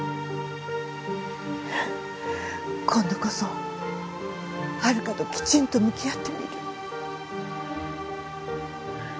今度こそ遥ときちんと向き合ってみる。